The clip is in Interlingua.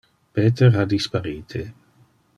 Peter ha disparite.